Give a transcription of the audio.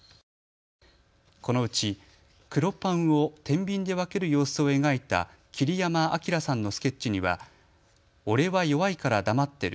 このうち黒パンをてんびんで分ける様子を描いた桐山章さんのスケッチには俺は弱いから黙ってる。